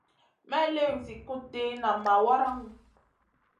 May liw zi kuɗ ɗi, nam ma waraŋu.